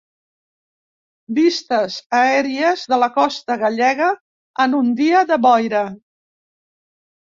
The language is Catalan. Vistes aèries de la costa gallega en un dia de boira.